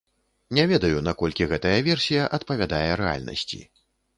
Не ведаю, наколькі гэтая версія адпавядае рэальнасці.